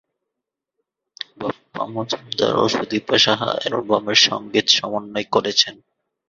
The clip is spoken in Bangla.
বাপ্পা মজুমদার ও সুদীপা সাহা অ্যালবামের সঙ্গীত সমন্বয় করেছেন।